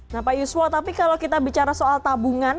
nah pak yuswo tapi kalau kita bicara soal tabungan